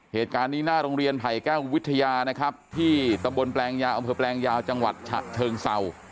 เหตุการณ์นี้หน้าโรงเรียนไผ่แก้ววิทยานะครับที่ตะบนแปลงยาวอำเภอแปลงยาวจังหวัดฉะเชิงเศร้า